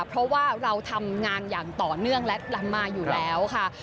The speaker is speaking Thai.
เพราะว่าเราทำงานอย่างต่อเนื่องและมาอยู่แล้วค่ะ